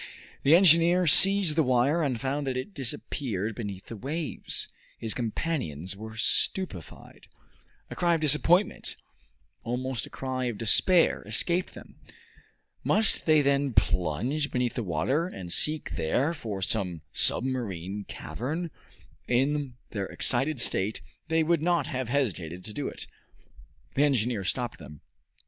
The engineer seized the wire and found that it disappeared beneath the waves. His companions were stupefied. A cry of disappointment, almost a cry of despair, escaped them! Must they then plunge beneath the water and seek there for some submarine cavern? In their excited state they would not have hesitated to do it. The engineer stopped them.